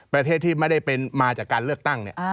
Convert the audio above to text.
ประเทศที่ไม่ได้มาจากการเลือกตั้ง